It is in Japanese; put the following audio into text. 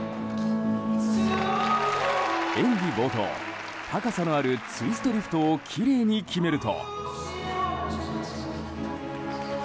演技冒頭、高さのあるツイストリフトをきれいに決めると。